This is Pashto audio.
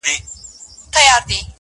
چي له چا به مولوي وي اورېدلې-